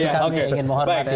kami ingin menghormati